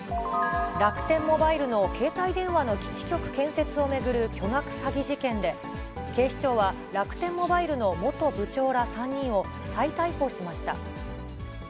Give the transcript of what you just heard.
楽天モバイルの携帯電話の基地局建設を巡る巨額詐欺事件で、警視庁は楽天モバイルの元部長ら３人を再逮捕しました。